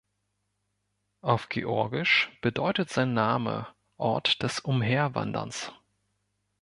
Auf Georgisch bedeutet sein Name „Ort des Umherwanderns“.